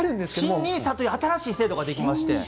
新ＮＩＳＡという新しい制度ができます。